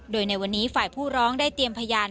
โดยในวันนี้ฝ่ายผู้ร้องได้เตรียมพยาน